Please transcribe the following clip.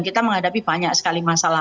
kita menghadapi banyak sekali masalah